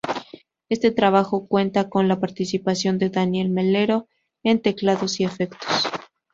Este trabajo cuenta con la participación de Daniel Melero en teclados y efectos.